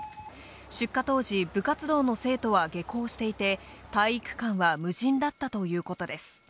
出火当時、部活動の生徒は下校していて、体育館は無人だったということです。